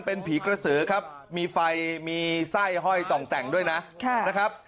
เป็นผีกระสือครับมีไฟมีไส้ห้อยต่องแต่งด้วยนะครับ